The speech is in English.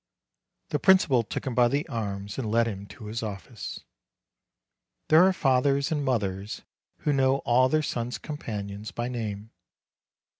The principal took him by the arm and led him to his office. There are fathers and mothers who know all their sons' companions by name.